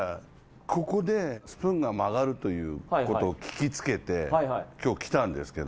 ここでスプーンが曲がるという事を聞き付けて今日来たんですけど。